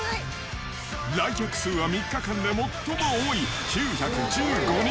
来客数は３日間で最も多い９１５人。